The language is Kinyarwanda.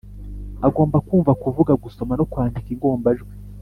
agomba kumva, kuvuga, gusoma no kwandika ingombajwi